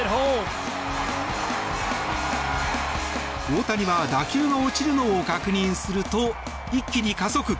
大谷は打球の落ちるのを確認すると一気に加速。